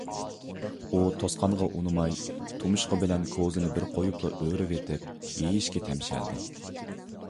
ئۇ توسقانغا ئۇنىماي، تۇمشۇقى بىلەن كوزىنى بىر قويۇپلا ئۆرۈۋېتىپ، يېيىشكە تەمشەلدى.